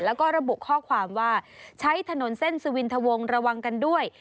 แล้วก็ระบุข้อความว่าใช้ถนนเส้นสวินทวงระวังกันด้วย